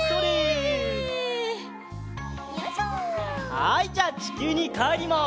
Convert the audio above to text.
はいじゃあちきゅうにかえります。